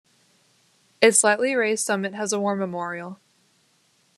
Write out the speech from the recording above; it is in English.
Its lightly raised summit has a war memorial.